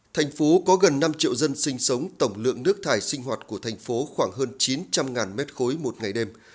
thành phố có gần năm triệu dân sinh sống tổng lượng nước thải sinh hoạt của thành phố khoảng hơn chín trăm linh m ba một ngày đêm